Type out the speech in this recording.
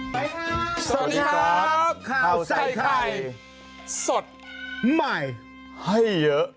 สวัสดีครับข้าวใส่ไข่สดใหม่ให้เยอะ